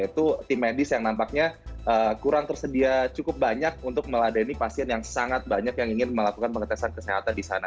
itu tim medis yang nampaknya kurang tersedia cukup banyak untuk meladani pasien yang sangat banyak yang ingin melakukan pengetesan kesehatan di sana